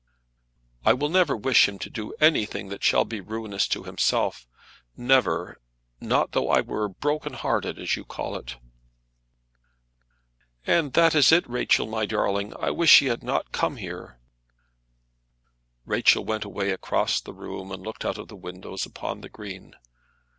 "I will never wish him to do anything that shall be ruinous to himself; never; not though I were broken hearted, as you call it." "Ah, that is it, Rachel, my darling; I wish he had not come here." Rachel went away across the room and looked out of the window upon the green.